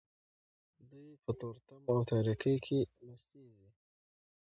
دوی په تورتم او تاریکۍ کې مستیږي.